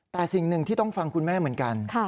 แต่สิ่งหนึ่งที่ต้องฟังคุณแม่เหมือนกัน